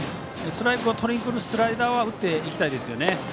ストライクをとりにくるスライダーを打ちたいですね。